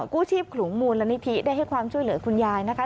กู้ชีพขลุงมูลนิธิได้ให้ความช่วยเหลือคุณยายนะคะ